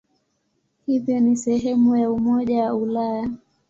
Hivyo ni sehemu ya Umoja wa Ulaya.